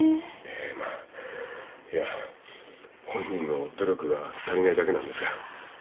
いや本人の努力が足りないだけなんですが。